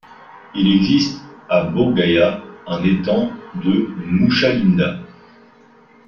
Il existe à Bodh-Gaya un étang de Muchalinda.